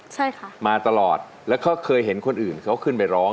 ใช่ค่ะมาตลอดแล้วก็เคยเห็นคนอื่นเขาขึ้นไปร้อง